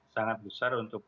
sangat besar untuk